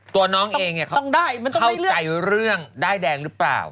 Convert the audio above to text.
ตัวน้องเองเข้าใจเรื่องด้ายแดงรึเปล่า